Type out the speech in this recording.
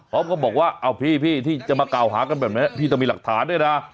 ก็บอกว่าเอาพี่ที่จะมากล่าวหากันแบบนี้พี่ต้องมีหลักฐานด้วยนะ